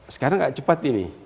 sekarang tidak cepat ini